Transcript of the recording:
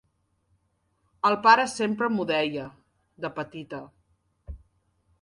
El pare sempre m'ho deia, de petita.